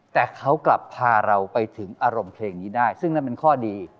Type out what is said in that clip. แต่เขากลับพาเราไปถึงอารมณ์เพลงนี้ได้ซึ่งนั่นเป็นข้อดี